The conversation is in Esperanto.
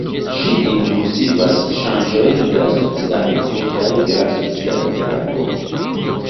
Ĝi inkluzivas ŝanĝojn de la socia medio kaj de la socia interago.